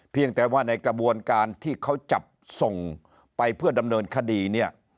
เพียงแต่ว่าในกระบวนการที่เขาจับส่งไปเพื่อดำเนินคดีเนี่ย